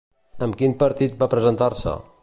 Amb quin partit va presentar-se?